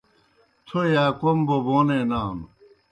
تھوئے آ کوْم بوبونے نانوْ۔